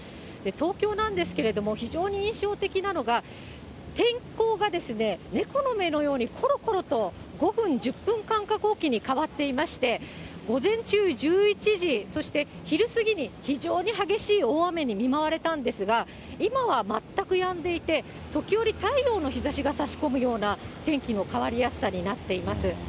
東京なんですけれども、非常に印象的なのが、天候が猫の目のようにころころと５分、１０分間隔置きに変わっていまして、午前中１１時、そして昼過ぎに非常に激しい大雨に見舞われたんですが、今は全くやんでいて、時折、太陽の日ざしがさし込むような天気の変わりやすさになっています。